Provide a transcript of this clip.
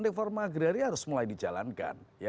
reforma agraria harus mulai dijalankan